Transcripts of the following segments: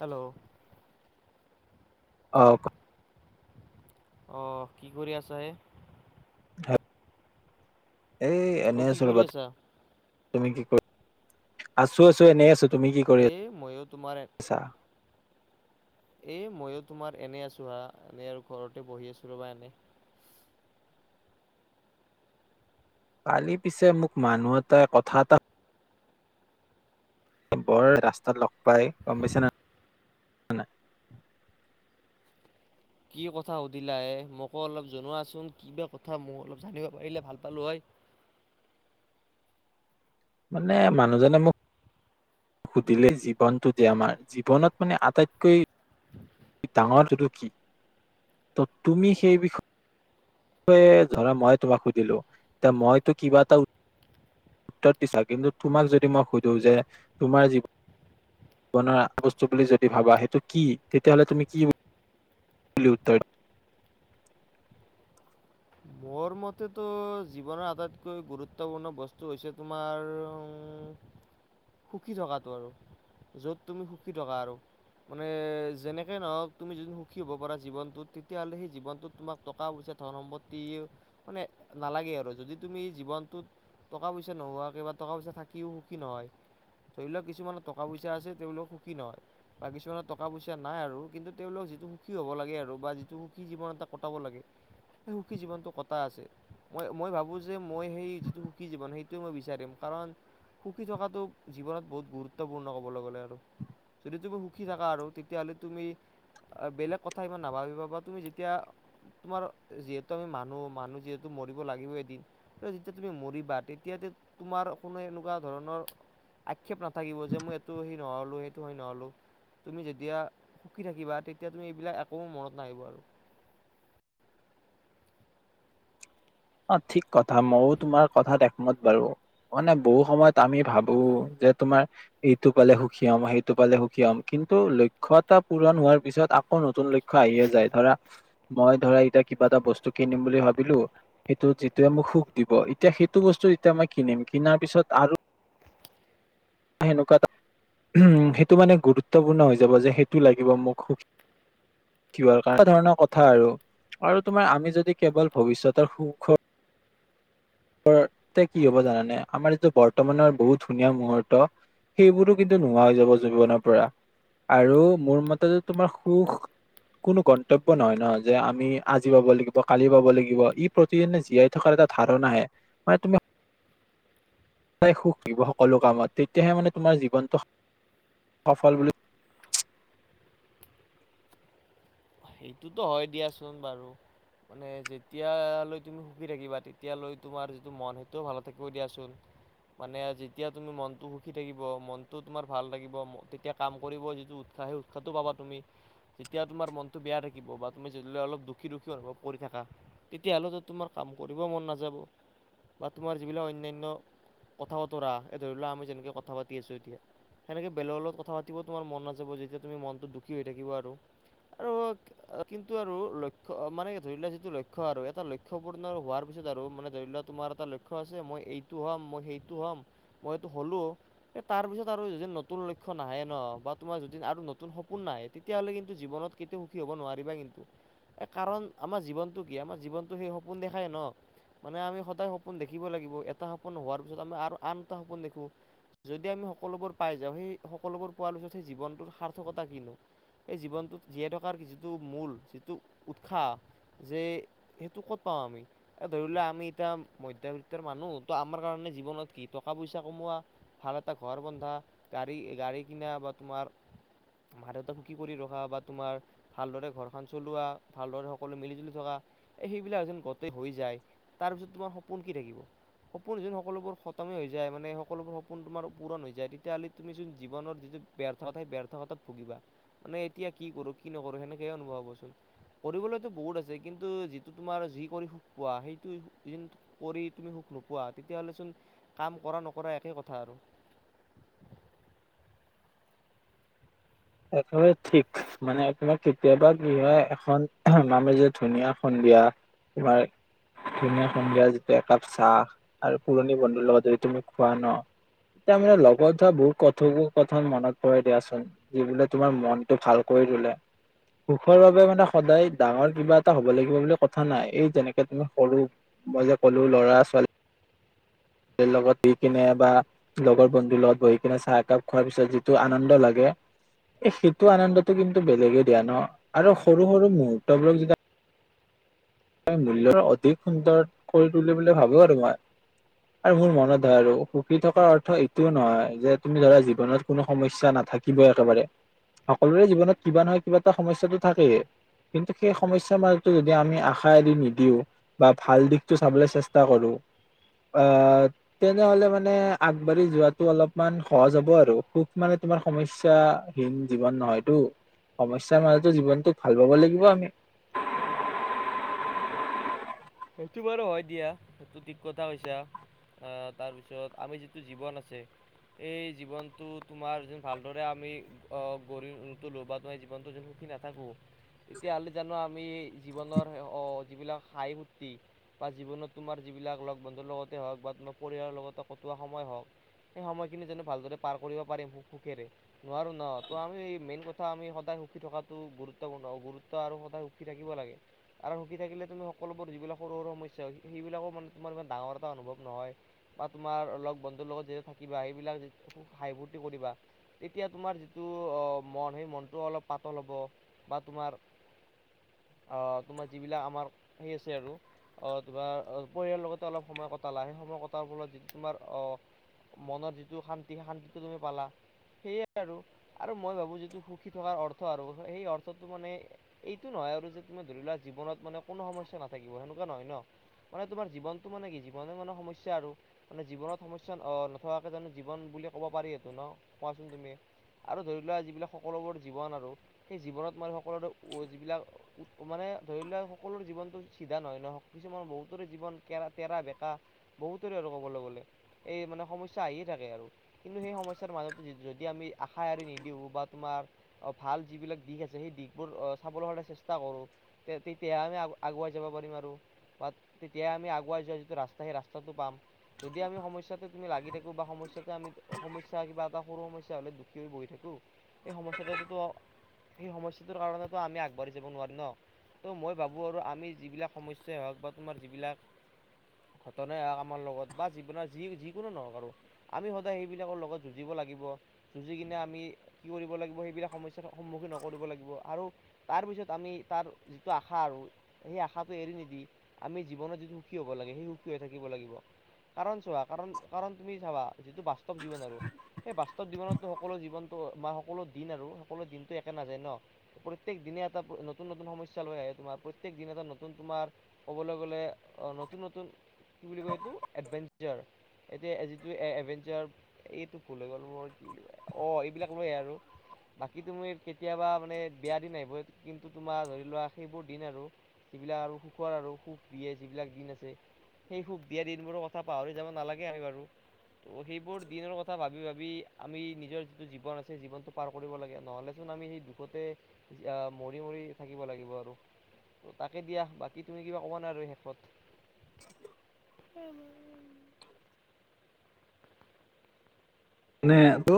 Hello অ ক অ, কি কৰি আছা হে? এ অ এনেই কি আছো কৰি ৰবা আছা তুমি কি কৰিি আছো আছো এনেই আছো তুমি কি কৰি এই মইয়ো তোমাৰে আছা এ মইয়ো তোমাৰ এনে আছো হা এনেই আৰু ঘৰতে বহি আছো ৰ'বা এনে ইস কালি পিছে মোক মানুহ এটাই কথা এটা বৰ ৰাস্তাত লগ পাই গম পাইছে নে নাই? কি কথা সুধিলা এ মোকো অলপ জনোৱাচোন কিবা কথা মই অলপ জানিব পাৰিলে ভাল পালো হয়। [inaudible] মানে মানুহজনে মোক সুধিলে জীৱনটো যে আমাৰ জীৱনত মানে আটাইতকৈ ডাঙৰটোতো কি ত তুমি সেই বিষয় এই ধৰা মই তোমাক সুধিলো এতিয়া মইতো কিবা এটা উ ত্তৰ দিছা, কিন্তু তোমাক যদি মই সুধো যে তোমাৰ জীৱ বনোৱা বস্তু বুলি যদি ভাবা সেইটো কি তেতিয়াহলে তুমি কি বু লি উত্তৰ [unintelligible] মোৰ মতেতো জীৱনৰ আটাইতকৈ গুৰুত্বপূৰ্ণ বস্তু হৈছে তোমাৰ উম সুখী থকাটো আৰু য'ত তুমি সুখী থকা আৰু। মানে যেনেকে নহওক তুমি যদি সখী হব পাৰা জীৱনটোত তেতিয়াহ'লে সেই জীৱনটোত তোমাক টকা- পইচা ধন- সম্পত্তি মানে নালাগে আৰু যদি তুমি জীৱনটোত টকা- পইচা নোহোৱা কিবা টকা -পইচা থাকিও সুখী নহয়। ধৰি লওক কিছুমানৰ টকা- পইচা আছে তেওঁওলোক সুখী নহয় বা কিছুমানৰ টকা- পইচা নাই আৰু কিন্তু তেওঁলোক যিটো সুখী হ'ব লাগে আৰু বা যিটো সুখী জীৱন এটা কটাব লাগে সেই সুখী জীৱনটো ক টা আছে, মই মই ভাবো যে মই সেই যিটো সুখী জীৱন সেইটো মই বিচাৰিম কাৰণ সুখী থকাটো জীৱনত বহুত গুৰুত্বপূৰ্ণ ক'বলৈ গ'লে আৰু। যদি তুমি সুখী থাকা আৰু তেতিয়াহলে তুমি? বেলেগ কথা ইমান নাভাবিবা বা তুমি যেতিয়া তোমাৰ যিহেতু আমি মানুহ মানুহ যিহেতু মৰিব লাগিব এদিন, যেতিয়া তুমি মৰিবা তেতিয়া তোমাৰ কোনো এনেকুৱা ধৰণৰ আক্ষেপ নাথাকিব যে মই এইটো সেই নহলো সেইটো হৈ নহলো। তুমি যেতিয়া সুখী থাকিবা তেতিয়া তুমি এইবিলাক একো মনত নাহিব আৰু। অ ঠিক কথা মইয়ো তোমাৰ কথাত একমত বাৰু। মানে বহু সময়ত আমি ভাবো যে তোমাৰ এইটো পালে সুখী হ'ম, সেইটো পালে সুখী হ'ম কিন ন্তু লক্ষ্য এটা পূৰণ হোৱাৰ পিছত আকৌ নতুন লক্ষ্য আহিয়ে যায় ধৰা মই ধৰা এতিয়া কিবা এটা বস্তু কিনিম বুলি ভাবিলো সেইটোত যিটোৱে মোক সুখ দিব এতিয়া সেইটো বস্তু এতিয়া মই কিনিম কিনাৰ পিছত আৰু আ সেনেকুৱা দা উম সেইটো মানে গুৰুত্বপূৰ্ণ হৈ যাব যে সেইটো লাগিব মোক সুখী কি এনে ধৰণৰ কথা আৰু। আৰু তোমাৰ আমি যদি কেৱল ভৱিষ্যতৰ সুখৰ কি হ'ব জানানে আমাৰ এইটো বৰ্তমানৰ বহুত ধুনীয়া মুহূৰ্ত সেইবোৰো কিন্তু নোহোৱা হৈ যাব জীৱনৰ পৰা আৰু মোৰ মতে তোমাৰ সুখ কোনো গন্তব্য নহয় নহয় যে আমি আজি পাব লাগিব কালি পাব লাগিব ই প্ৰতিদিনে জীয়াই থকাৰ এটা ধাৰণাহে মানে তুমি সদাই সুখ দিব সকলো কামত তেতিয়াহে মানে তোমাৰ জীৱনটো সফল বুলি সেইটোতো হয় দিয়াচোন বাৰু। মানে যেতিয়ালৈ তুমি সুখী থাকিবা তেতিয়ালৈ তোমাৰ যিটো মন সেইটোও ভালে থাকিব দিয়াচোন। মানে যেতিয়া তুমি মনটো সুখী থাকিব, মনটো তোমাৰ ভাল থাকিব তেতিয়া কাম কৰিব যিটো উৎ সাহে উৎসাহটো পাবা তুমি যেতিয়া তোমাৰ মন বেয়া থাকিব বা তুমি য অলপ দুখী দুখী অনুভৱ কৰি থাকা তেতিয়াহ'লে তোমাৰ কাম কৰিবও মন নাযা বা তোমাৰ যিবিলাক অন্যান্য কথা বতৰা এই ধৰি লোৱা আমি যেনেকে কথা পাতি আছো এতিয়া। সেনেকে বেলেগৰ লগত কথা পাতিব তোমাৰ মন নাযাব যেতিয়া তুমি মনটো দুখী হৈ থাকিব আৰু। আৰু কিন্তু আৰু লক্ষ্য মানে ধৰি লোৱা যিটো লক্ষ্য আৰু এটা লক্ষ্য পূৰ্ণ হোৱাৰ পিছত আৰু মানে ধৰি লোৱা তোমাৰ এটা লক্ষ্য আছে মই এইটো হম মই সেইটো হম মই এইটো হ'লো। তাৰপিছত আৰু যদি নতুন লক্ষ্য নাহে ন বা তোমাৰ যদি আৰু নতুন সপোন নাহে তেতিয়াহ'লে কিন্তু জীৱনত কেতিয়া সুখী হ'ব নোৱাৰিবা কিন্তু। এ কাৰণ আমাৰ জীৱনটো কি আমাৰ জীৱনটো সেই সপোন দেখাই ন। মানে আমি সদায় সপোন দেখিব লাগিব এটা সপোন হোৱাৰ পিছত আমি আৰু আন এটা সপোন দেখো। যদি আমি সকলোবোৰ পাই যাওঁ সেই সকলোবোৰ পোৱাৰ পিছত সেই জীৱনটোৰ সাৰ্থকতা কিনো। এই জীৱনটো জীয়হ থকাৰ যিটো মূল যিটো উৎসাহ যে সেইটো ক'ত পাওঁ আমি। এ ধৰি লোৱা আমি এতিয়া মধ্যবিত্তৰ মানুহ তো আমাৰ কাৰণে জীৱনত কি টকা পইচা কমোৱা। ভাল এটা ঘৰ বন্ধা গাড়ী গাড়ী কিনা বা তোমাৰ মা দেউতা সুখি কৰি ৰখা বা তোমাৰ ভালদৰে ঘৰখন চলোৱা ভালদৰে সকলো মিলি জুলি থকা এই সেইবিলাক যে গোটেই হৈ যায়। তাৰ পিছত তোমাৰ সপোন কি থাকিব। সপোন যোন সকলোবোৰ খতমে হৈ যায় মানে সকলোবোৰ সপোন তোমাৰ পূৰণ হৈ যায় তেতিয়াহ'লে তুমি চোন জীৱনত যিটো ব্যৰ্থত ব্যৰ্থকাতাত ভুগিবা মানে এতিয়া কি কৰো কি নকৰো সেনেকে অনুভৱ হবচোন কৰিবলৈতো বহুত আছে কিন্তু যিটো তোমাৰ যি কৰি পোৱা সেইটো কৰি তুমি সুখ নোপোৱা তেতিয়াহ'লে চোন কাম কৰা নকৰা একে কথা আৰু।। [unintelligible] একেবাৰে ঠিক মানে তোমাৰ কেতিয়াবা কি হয় এখন মানে যে ধুনীয়াখন বিয়া তোমাৰ ধুনীয়া এখন বিয়া যেতিয়া একাপ চাহ আৰু পুৰণি বন্ধুৰ লগত যদি তুমি খোৱা ন। তাৰ মানে লগত হোৱা বহুত কথোক কথন মনত পৰে দিয়াচোন। যি বোলে তোমাৰ মনটো ভাল কৰি তোলে। সুখৰ বাবে মানে সদায় ডাঙৰ কিবা এটা হব লাগিব বুলি কথা নাই এই যেনেকে তুমি সৰু। মই যে ক'লো ল'ৰা ছোৱালী। লগত দি কিনে বা লগৰ বন্ধুৰ লগত বহি কিনে চাহ একাপ খোৱাৰ পিছত যিটো আনন্দ লাগে। এ সেইটো আনন্দটো কিন্তু বেলেগে দিয়া ন আৰু সৰু সৰু মুহুৰ্তবোৰক যেতিয়া ই মূল্য অধিক সুন্দৰ কৰি তুলি বুলি ভাবো আৰু মই। আৰু মোৰ মনত হয় আৰু সুখী থকাৰ অৰ্থ এইটোও নহয় যে তুমি ধৰা জীৱনত কোনো সমস্যা না- থাকিবই একেবাৰে। সকলোৰে জীৱনত কিবা নহয় কিবা এটা সমস্যাটো থাকেই কিন্তু সেই সমস্যাৰ মাজতো যদি আমি আশা এৰি নিদিও বা ভাল দিশটো চাবলৈ চেষ্টা কৰো অ তেনেহলে মানে আগবাঢ়ি যোৱাটো অলপমান সহজ হ'ব আৰু সুখ মানে তোমাৰ সমস্যাহীন জীৱন নহয়টো। সমস্যাৰ মাজতো জীৱনটোক ভাল পাব লাগিব আমি। । [unintelligible] সেইটো বাৰু হয় দিয়া সেইটো ঠিক কথা কৈছা আহ তাৰপিছত আমি যিটো জীৱন আছে। এই জীৱনটো তোমাৰ যে ভালদৰে আমি অ গঢ়ি [unintelligible] জীৱনটো যে। নাথাকোঁ তেতিয়াহ'লে জানো আমি জীৱনৰ অ যিবিলাক হাই বা জীৱনত তোমাৰ যিবিলাক লগ বন্ধুৰ লগতে হওক বা তোমাৰ পৰিয়ালৰ লগতে কটোৱা সময় হওক সেই সময়খিনি জানো ভালদৰে পাৰ কৰিব পাৰিম সুখেৰে নোৱাৰো ন ত আমি মেইন কথা আমি সদায় সুখী থকাটো গুৰুত্বপূৰ্ণ গুৰুত্ব আৰু সদায় সুখী থাকিব লাগে আৰু সুখী থাকিলে তুমি সকলো যিলাক সৰু সৰু সমস্যা সেইবিলাক মানে তোমাৰ ইমান ডাঙৰ এটা অনুভৱ নহয় বা তোমাৰ লগ বন্ধু লগ তেতিয়া তুমি জীয়াই থাকিবা সেইবিলাক যে হাহি ফুৰ্তি কৰিবা তেতিয়া তোমাৰ যিটো মন সেই মনটো অলপ পাতল হ'ব বা তোমাৰ আহ তোমাৰ যিবিলাক আমাৰ সেই আছে আৰু অহ তোমাৰ পৰিয়ালৰ লগতে অলপ সময় কটালা সেই সময় কটাৰ ফলত যিটো তোমাৰ অহ মনত যিটো শান্তি। এতিয়া শান্তিটো তুমি পালা সেয়াই আৰু মই ভাবোঁ যিটো সুখী থকাৰ অৰ্থ আৰু। সেই অৰ্থটো মানে এইটো নহয় আৰু যে তুমি ধৰি লোৱা জীৱনত মানে কোনো সমস্যা। [unintelligible] সেনেকুৱা নহয় ন মানে তোমাৰ জীৱনটো মানে কি জীৱনে মানে সমস্যা থোৱাকে জানো জীৱন বুলি ক'ব পাৰি সেইটো ন কোৱাচোন তুমি। আৰু ধৰি লোৱা যিবিলাক সকলোবোৰ জীৱন আৰু সেই জীৱনত মান সকলোৰে যিবিলাক মানে। ধৰি লোৱাক সকলো জীৱনতটো। চিধা নহয় নহ কিছুমান বহুতৰে জীৱন কেৰা তেৰা বেকা বহুতৰে আৰু ক'বলৈ গ'লে এই। মানে সমস্যা আহিয়ে থাকে আৰু কিন্তু সেই সমস্যয়াৰ মাজত যদি আমি আশা এৰি নিদিও বা তোমাৰ। অ ভাল যিবিলাক দিশ আছে সেই দিশ বোৰ আহ চাবলৈ হলে চেষ্টা কৰো তে তেতিয়াহে আমি আগুৱাই। যাব পাৰিম বাত যিটো আগুৱাই যোৱা ৰাস্তা হেই ৰাস্তাটো পাম তেতিয়া আমি হেই সমস্যা টো। [unintelligible] তুমি লাগিথাকো বা সমস্যাটো আমি। [unintelligible] সমস্যা কিবা এটা সৰু সমস্যা হ'লে দুখী হৈ বহি থাকোঁ সেই সমস্যাটোতো। [unintelligible] সেই সমস্যাটোৰ কাৰণেটো আমি আগবাঢ়ি যাব নোৱাৰিম ন ত মই ভাবো আৰু আমি। [unintelligible] সমস্যাই হওক বা তোমাৰ যিবিলাক। ঘটনাই হক আমাৰ লগত বা জীৱনৰ যি যিকোনো নহওক আৰু আমি সদায় সেইবিলাকৰ লগত যুঁজিব লাগিব। যুঁজি কিনে আমি কি কৰিব লাগিব সেইবিলাক সমস্যাৰ সন্মুখীন নকৰিব লাগিব আৰু তাৰ পিছত। ত আমি তাৰ যিটো আশা আৰু পটো এৰি নিদি আমি জীৱনত যিটো সুখী হ'ব লাগে সেই সুখী হৈ থাকিব লাগিব কাৰণ চোৱা কাৰণ কাৰণ তুমি চাবা যিটো বাস্তৱ জীৱন আৰু সেই বাস্তৱ জীৱনতো সকলো জীৱন ত আমাৰ সকলো দিন আৰু সকলো দিনতটো একে নাযায় ন প্ৰত্যেক দিনে এটা নতুন নতুন সমস্যা লৈ আহে তোমাৰ প্ৰত [unintelligible] প্ৰত্যেক দিন এটা নতুন তোমাৰ ক'বলৈ গ'লে নতুন নতুন কি বুলি কয় এইটো এডভেঞ্চাৰ এতিয়া যিটো এভেঞ্চাৰ এইটো ভুল হৈ গ'ল মোৰ [unintelligible] অ এইবিলাক লৈ আৰু বাকী তুমি কেতিয়াবা মানে বেয়া দিন আহিব কিন্তু তোমাৰ ধৰি লোৱা সেইবোৰ দিন আৰু যিবিলাক আৰু সুখৰ আৰু সুখ দিয়ে যিবিলাক দিন আছে সেই সুখ দিয়া দিনবোৰ ক পাহৰি যাব নালাগে আমি বাৰু [unintelligible] ত' সেইবোৰ দিনৰ কথা ভাবি ভাবি আমি নিজৰ যিটো জীৱন আছে জীৱনতটো পাৰ কৰিব লাগে নহলে চ [unintelligible] আমি সেই দুখতে মৰি মৰি থাকিব লাগিব আৰু তাকে দিয়া বাকী তুমি কিবা ক'বা না শেষত [unintelligible] উ উম মানেটো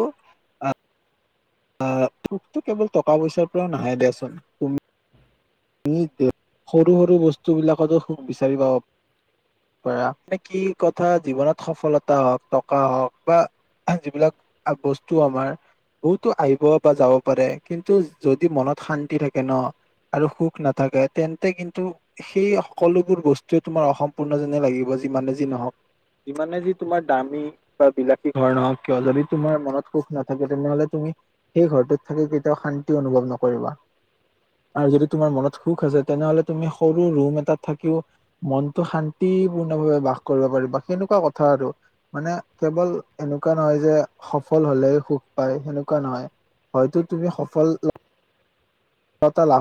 আহ তোকতো কেৱল টকা পইচাৰ পৰাও নাহে দে চোন তুমি [unintelligible] তুমি সৰু সৰু বস্তুবিলাকতো সুখ বিচাৰি পাাব মানে কি কথা জীৱনত সফলতা হওক টকা হওক বা যিবিলাক বস্তু আমাৰ বহুতো আহিব বা যাব পাৰে কিন্তু যদি মনত শান্তি থাকে ন আৰু সুখ নাথাকে তেন্তে কিন্তু সেই সকলোবোৰ বস্তুৱে তোমাৰ অসম্পূৰ্ণ যেনে লাগিব যিমানে যি [unintelligible] নহক যিমানে যি তোমাৰ দামী বা বিলাসী ঘৰ নহওক কিয় যদি তোমাৰ মনত সুখ নাথাকে তেনেহলে তোমাৰ সেই ঘৰটোত থাকি কেতিয়াও শান্তি অনুভৱ নকৰিবা আৰু যদি তোমাৰ মনত সুখ আছে তেনেহলে তুমি সৰু ৰুম এটাত থাকিও মনতটো শান্তিপূৰ্ণ ভাৱে বাস কৰিব পাৰিবা সেনেকুৱা কথা আৰু মানে কেৱল এনেকুৱা নহয় যে সফল হলে সুখ পাই সেনেকুৱা নহয় হয়তো তুমি সফল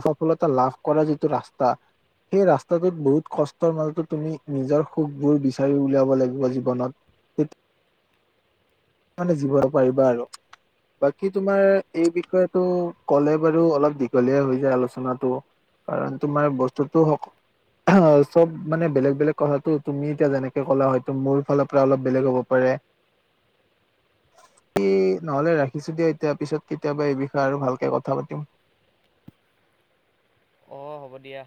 সফলতা লাভ কৰা যিটো ৰাস্তা [unintelligible] সেই ৰাস্তাটোত বহুত কষ্টৰ মাজতো তুমি নিজৰ সুখবোৰ বিচাৰি উলিয়াব লাগিব জীৱনত ত [unintelligible] [inaudible] মানে জিব পাৰিবা আৰু [unintelligible] বাকী তোমাৰ এই বিষয়টো কলে বাৰু অলপ দীঘলীয়া হৈ যায় আলোচনাটো কাৰণ তোমাৰ বস্তুটো অ চব মানে বেলেগ বেলেগ কথাটো তুমি এতিয়া যেনেকে ক'লা হয়তো মোৰ ফালৰ পৰা অলপ বেলেগ হ'ব পাৰে [inaudible] স নহলে ৰাখিছো দিয়া এতিয়া পিছত কেতিয়াবা এই বিষয়ে আৰু ভালকে কথা পাতিম [inaudible] অঁ হ'ব দিয়া